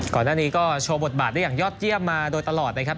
ก่อนหน้านี้ก็โชว์บทบาทได้อย่างยอดเยี่ยมมาโดยตลอดนะครับ